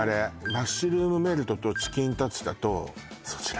マッシュルームメルトとチキンタツタとそちら